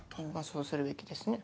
そうするべきですね。